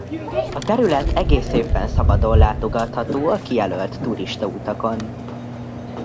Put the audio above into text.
A terület egész évben szabadon látogatható a kijelölt turistautakon.